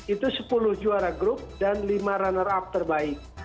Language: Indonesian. itu sepuluh juara grup dan lima runner up terbaik